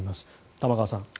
玉川さん。